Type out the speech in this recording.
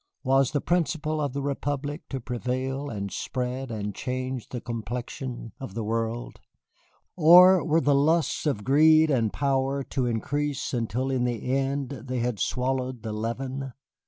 Was the principle of the Republic to prevail and spread and change the complexion of the world? Or were the lusts of greed and power to increase until in the end they had swallowed the leaven?